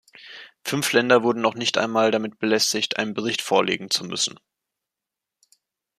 Fünf Länder wurden noch nicht einmal damit belästigt, einen Bericht vorlegen zu müssen.